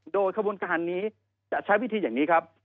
โดยขบวนการนี้จะใช้วิธีอย่างนี้ครับ